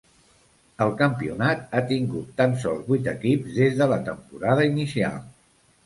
El campionat ha tingut tan sols vuit equips des de la temporada inicial.